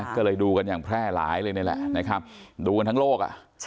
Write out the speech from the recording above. ก็เลยดูกันอย่างแพร่หลายเลยนี่แหละนะครับดูกันทั้งโลก